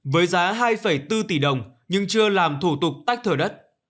với giá hai bốn tỷ đồng nhưng chưa làm thủ tục tách thửa đất